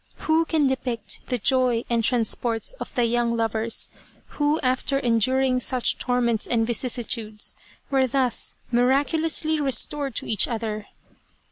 Who can depict the joy and transports of the young lovers, who after enduring such torments and vicissi tudes, were thus miraculously restored to each other